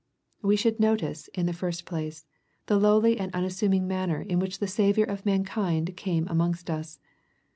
We should notice, in the first place, the lowly and unassuming manner in which the Saviour of mankind came amongst tts.